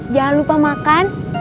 jangan lupa makan